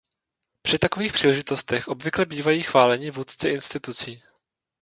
Při takových příležitostech obvykle bývají chváleni vůdci institucí.